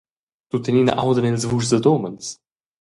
Tuttenina audan els vuschs dad umens.